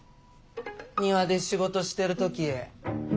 庭で仕事してる時。